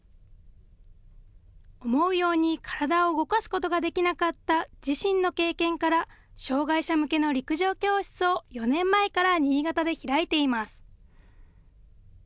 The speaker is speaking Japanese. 思うように体を動かすことができなかった自身の経験から障害者向けの陸上教室を４年前から新潟で開いています。